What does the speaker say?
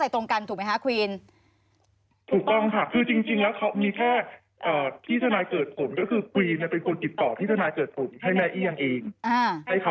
ให้เขาได้รู้จักกันเพราะที่ทนายเขาน่ารัก